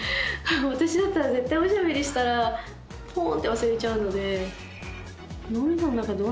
私だったらおしゃべりしたらポンって忘れちゃうので。